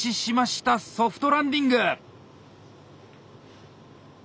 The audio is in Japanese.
ソフトランディング。